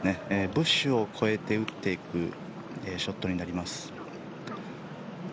ブッシュを越えて打っていくショットになります。